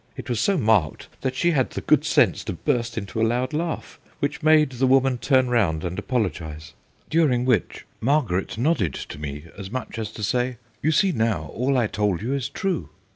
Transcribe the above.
It was so marked that she had the good sense to burst into a loud laugh, which made the woman turn round and apologise, during which Margaret nodded to me as much as to say, " You see now all I told you is true."